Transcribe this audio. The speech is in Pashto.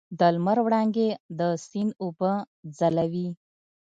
د لمر وړانګې د سیند اوبه ځلوي.